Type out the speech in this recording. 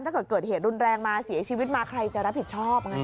ถ้าเกิดเกิดเหตุรุนแรงมาเสียชีวิตมาใครจะรับผิดชอบไง